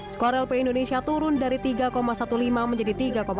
skor lp indonesia turun dari tiga lima belas menjadi tiga empat